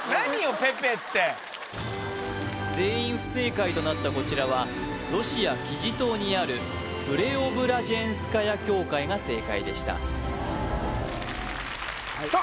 ペペって全員不正解となったこちらはロシアキジ島にあるプレオブラジェンスカヤ教会が正解でしたさあ